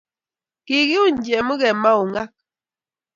Kikiuny Jemuge maung'ak